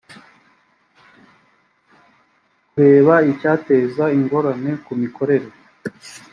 kureba icyateza ingorane ku mikorere